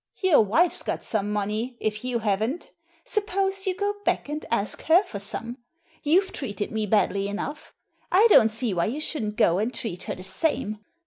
Your wife's got some money if you haven't Suppose you go back and ask her for some. You've treated me badly enough. I don't see why you shouldn't go and treat her the same.